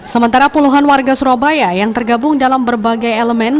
sementara puluhan warga surabaya yang tergabung dalam berbagai elemen